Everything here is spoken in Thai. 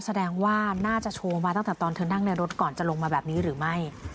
แสดงว่าน่าจะโชว์มาตั้งแต่ตอนเธอนั่งในรถก่อนจะลงมาแบบนี้หรือไม่